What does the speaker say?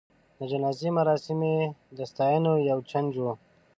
د جنازې مراسم یې د ستاینو یو جنج و.